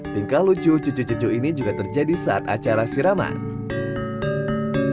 tingkah lucu cucu cucu ini juga terjadi saat acara siraman